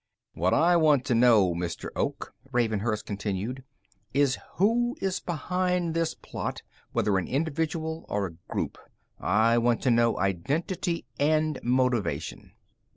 "What I want to know, Mr. Oak," Ravenhurst continued, "is who is behind this plot, whether an individual or a group. I want to know identity and motivation."